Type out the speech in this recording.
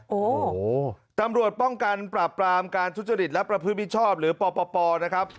โอ้โหตำรวจป้องกันปราบปรามการทุจริตและประพฤติมิชชอบหรือปปนะครับ